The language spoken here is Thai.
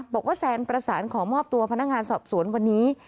แซนประสานขอมอบตัวพนักงานสอบสวนวันนี้